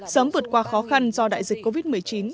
sớm vượt qua khó khăn do đại dịch covid một mươi chín